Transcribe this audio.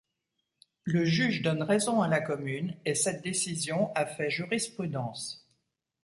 Le juge donne raison à la commune et cette décision a fait jurisprudence.